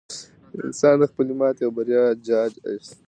انسان د خپلې ماتې او بریا جاج اخیستلی.